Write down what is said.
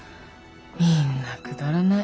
みんなくだらない。